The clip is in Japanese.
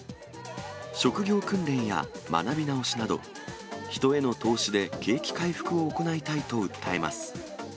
職業訓練や学び直しなど、人への投資で景気回復を行いたいと訴えます。